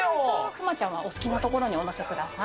クマちゃんはお好きな所にお載せください。